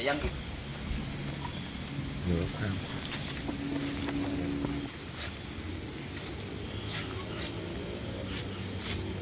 จนได้คลุมรอบทรีย์เพลิน